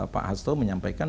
pak hasto menyampaikan